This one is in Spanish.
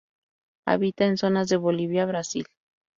Habita en zonas de Bolivia, Brasil.